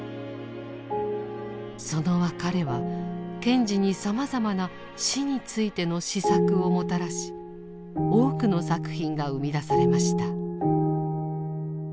その別れは賢治にさまざまな死についての思索をもたらし多くの作品が生み出されました。